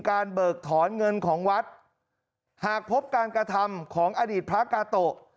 เบิกถอนเงินของวัดหากพบการกระทำของอดีตพระกาโตะ